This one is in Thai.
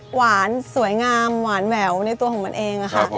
หวานสวยงามหวานแหววในตัวของมันเองค่ะ